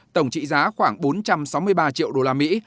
tổng trị giá khoảng bốn trăm sáu mươi ba triệu đô la mỹ